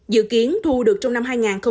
dự kiến thu được trong năm hai nghìn hai mươi